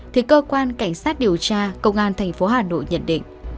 thì cơ quan cảnh sát điều tra công an tp hà nội nhận định